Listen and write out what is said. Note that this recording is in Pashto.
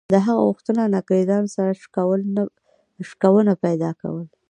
د هغه غوښتنه له انګرېزانو سره شکونه پیدا کړل.